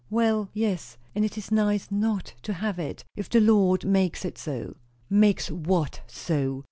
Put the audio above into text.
"Well, yes. And it is nice not to have it if the Lord makes it so." "Makes what so?